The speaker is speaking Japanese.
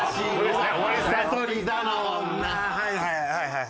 はいはいはいはい。